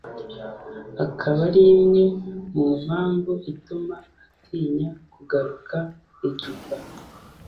akaba ari imwe mu mpamvu ituma atinya kugaruka i Juba